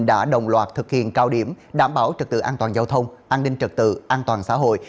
đã đồng loạt thực hiện cao điểm đảm bảo trật tự an toàn giao thông an ninh trật tự an toàn xã hội